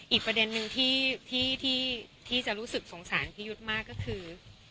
อีกประเด็นนึงที่จะรู้สึกสงสารพี่ยุทธ์มากก็คือ